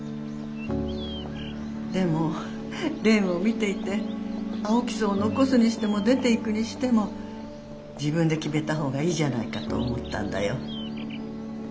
でも蓮を見ていて青木荘を残すにしても出ていくにしても自分で決めたほうがいいじゃないかと思ったんだよ。